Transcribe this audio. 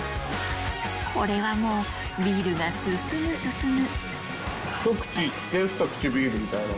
これはもうビールが進む進む！